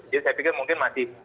jadi saya pikir mungkin masih